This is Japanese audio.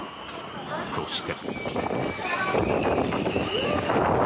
そして。